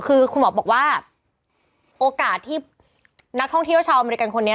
คือคุณหมอบอกว่าโอกาสที่นักท่องเที่ยวชาวอเมริกันคนนี้